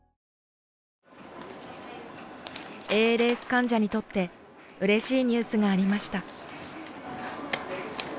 ＡＬＳ患者にとってうれしいニュースがありました。